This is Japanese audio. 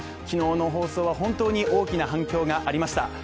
昨日の放送は本当に大きな反響がありました。